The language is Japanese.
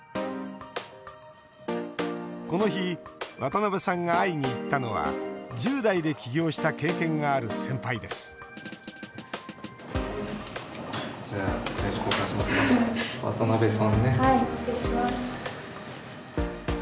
この日渡邉さんが会いに行ったのは１０代で起業した経験がある先輩です渡邉さんね。